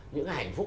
những hạnh phúc